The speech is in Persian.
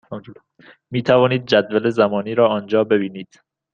می توانید جدول زمانی را آنجا ببینید.